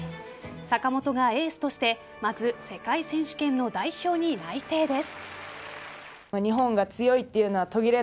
坂本がエースとしてまず世界選手権の代表に内定です。